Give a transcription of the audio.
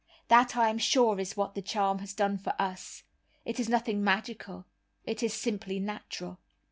That I am sure is what the charm has done for us. It is nothing magical, it is simply natural.